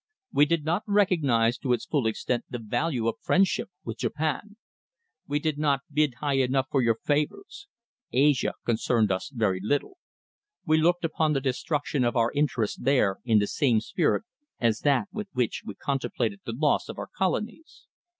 We did not recognise to its full extent the value of friendship with Japan. We did not bid high enough for your favours. Asia concerned us very little. We looked upon the destruction of our interests there in the same spirit as that with which we contemplated the loss of our colonies.